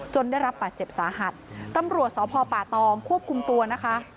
ได้รับบาดเจ็บสาหัสตำรวจสพป่าตองควบคุมตัวนะคะ